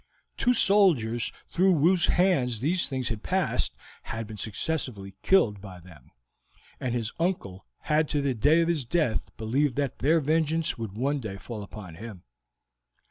Two soldiers through whose hands these things had passed, had been successively killed by them, and his uncle had to the day of his death believed that their vengeance would one day fall upon him.